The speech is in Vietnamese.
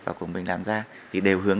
và của mình làm ra thì đều hướng